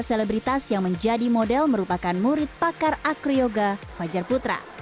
delapan belas selebritas yang menjadi model merupakan murid pakar akri yoga fajar putra